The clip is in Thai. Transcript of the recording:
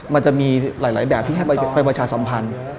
มันจะมีหลายแบบที่ให้ไปประชาสัมพันธ์